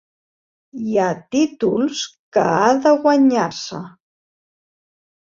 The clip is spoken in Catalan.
Hi ha títols que ha de guanyar-se.